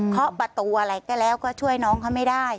เคาะประตูอะไรก็แล้วก็ช่วยน้องเขาไม่ได้